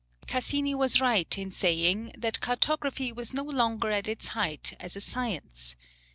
] Cassini was right in saying that cartography was no longer at its height as a science.